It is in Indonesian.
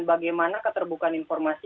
bagaimana keterbukaan informasi